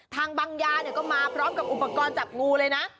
บางยาเนี่ยก็มาพร้อมกับอุปกรณ์จับงูเลยนะ